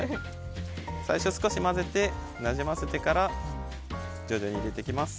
最初、少し混ぜてなじませてから徐々に入れていきます。